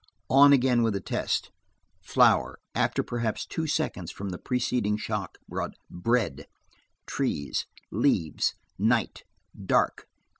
On again with the test. "Flour," after perhaps two seconds, from the preceding shock, brought "bread." "Trees." "Leaves." "Night." "Dark."